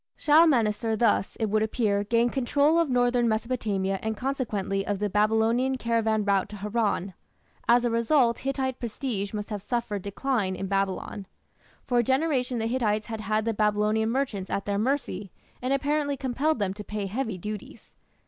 Shalmaneser thus, it would appear, gained control of northern Mesopotamia and consequently of the Babylonian caravan route to Haran. As a result Hittite prestige must have suffered decline in Babylon. For a generation the Hittites had had the Babylonian merchants at their mercy, and apparently compelled them to pay heavy duties.